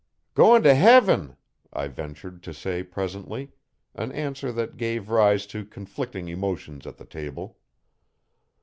'Goin' t' heaven,' I ventured to say presently an answer that gave rise to conflicting emotions at the table.